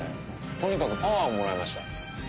とにかくパワーをもらいました。